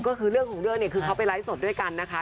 ก็คือเรื่องของเรื่องเนี่ยคือเขาไปไลฟ์สดด้วยกันนะคะ